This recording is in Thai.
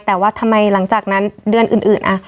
แต่ว่าทำไมหลังจากนั้นเดือนอื่น